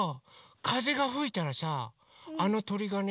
かぜがふいたらさあのとりがね